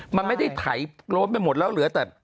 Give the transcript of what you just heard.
มันไม่ได้ไถโล้นไปหมดแล้วเหลือแต่